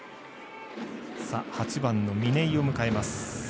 ８番の嶺井を迎えます。